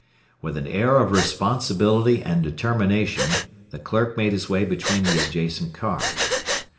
With an air of responsibility and determination the clerk made his way between the adjacent cars.